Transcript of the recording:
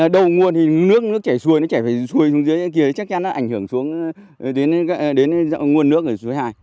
đầu nguồn thì nước chảy xuôi nó chảy xuôi xuống dưới chắc chắn nó ảnh hưởng xuống đến nguồn nước ở suối hai